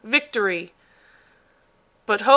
Victory! But ho!